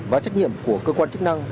và trách nhiệm của cơ quan chức năng